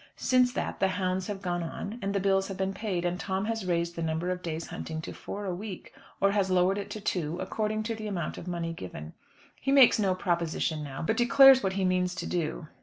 Since that the hounds have gone on, and the bills have been paid; and Tom has raised the number of days' hunting to four a week, or has lowered it to two, according to the amount of money given. He makes no proposition now, but declares what he means to do.